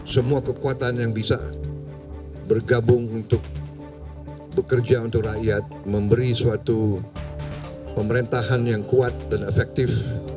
semua kekuatan yang bisa bergabung untuk bekerja untuk rakyat memberi suatu pemerintahan yang kuat dan efektif